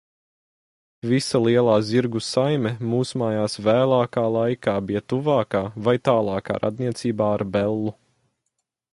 Visa lielā zirgu saime mūsmājās vēlākā laikā bija tuvākā vai tālākā radniecībā ar Bellu.